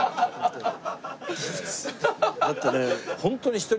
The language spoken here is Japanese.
だってね。